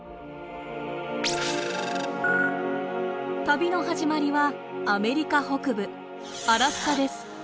旅の始まりはアメリカ北部アラスカです。